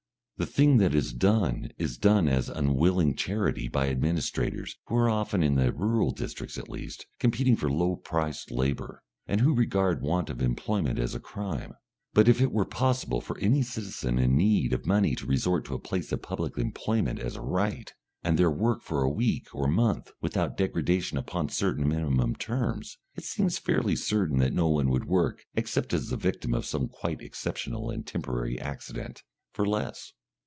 The thing that is done is done as unwilling charity by administrators who are often, in the rural districts at least, competing for low priced labour, and who regard want of employment as a crime. But if it were possible for any citizen in need of money to resort to a place of public employment as a right, and there work for a week or month without degradation upon certain minimum terms, it seems fairly certain that no one would work, except as the victim of some quite exceptional and temporary accident, for less.